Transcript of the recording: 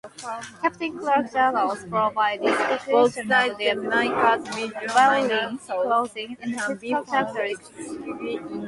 Captain Clark's journals provide descriptions of their dwellings, clothing, and physical characteristics.